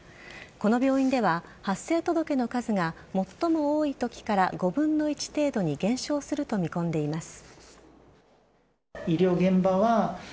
この病院では、発生届の数が最も多い時から５分の１程度に減少すると見込んでいます。